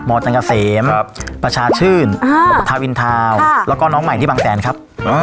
มจังกะเสมครับประชาชื่นอ่าทาวน์อินทาวน์ค่ะแล้วก็น้องใหม่ที่บางแสนครับ